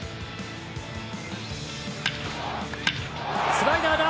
スライダーだ！